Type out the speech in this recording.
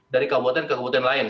dari kabupaten ke kabupaten lain